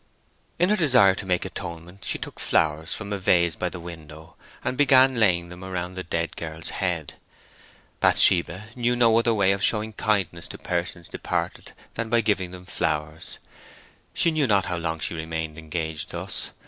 In her desire to make atonement she took flowers from a vase by the window, and began laying them around the dead girl's head. Bathsheba knew no other way of showing kindness to persons departed than by giving them flowers. She knew not how long she remained engaged thus.